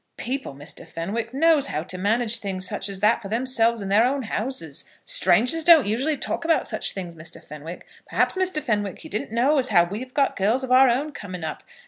People, Mr. Fenwick, knows how to manage things such as that for themselves in their own houses. Strangers don't usually talk about such things, Mr. Fenwick. Perhaps, Mr. Fenwick, you didn't know as how we have got girls of our own coming up.